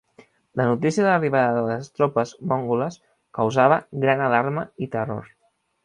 La notícia de l'arribada de les tropes mongoles causava gran alarma i terror.